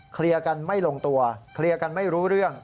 เคลียร์กันไม่ลงตัวเคลียร์กันไม่รู้เรื่อง